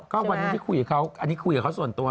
ก็วันนั้นที่คุยกับเขาอันนี้คุยกับเขาส่วนตัว